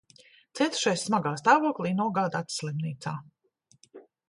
Cietušais smagā stāvoklī nogādāts slimnīcā.